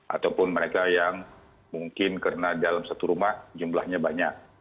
ataupun mereka yang mungkin karena dalam satu rumah jumlahnya banyak